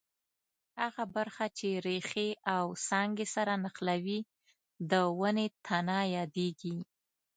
هغه برخه چې ریښې او څانګې سره نښلوي د ونې تنه یادیږي.